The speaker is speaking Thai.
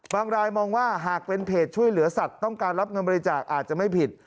บางรายมองว่าหากเป็นเพจช่วยเหลือสัตว์ต้องการรับเงินบริจาคอาจจะไม่ผิด